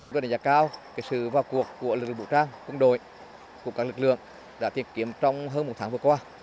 với đảm giá cao sự vào cuộc của lực lượng bộ trang quân đội của các lực lượng đã tìm kiếm trong hơn một tháng vừa qua